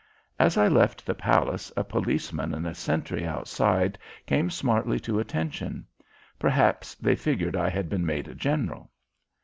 As I left the palace a policeman and a sentry outside came smartly to attention. Perhaps they figured I had been made a general.